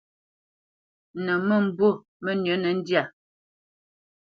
Nə̌ məmbu mənʉ̌nə ndyâ,